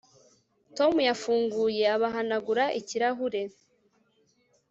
Tom yafunguye abahanagura ikirahure